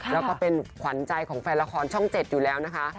แล้วก็เป็นขวัญใจของแฟนละครช่อง๗อยู่แล้วนะคะ